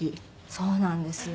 そうなんですよ。